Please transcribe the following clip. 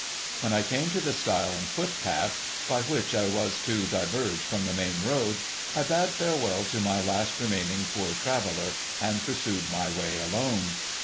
When I came to the stile and footpath by which I was to diverge from the main road, I bade farewell to my last remaining Poor Traveller, and pursued my way alone.